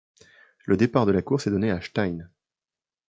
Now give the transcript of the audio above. Le départ de la course est donné à Stein.